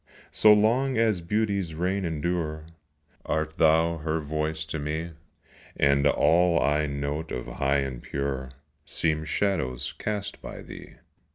So long as Beauty's reign endure Art thou her voice to me ; And all I note of high and pure Seem shadows cast by thee 27 POESY.